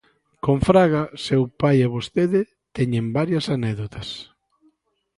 Con Fraga, seu pai e vostede teñen varias anécdotas.